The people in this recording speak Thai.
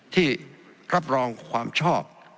ที่รับรองความชอบ